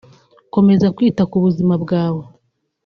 Komeza kwita ku buzima bwawe